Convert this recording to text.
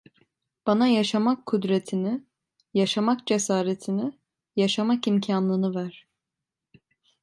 Bana yaşamak kudretini, yaşamak cesaretini, yaşamak imkanını ver…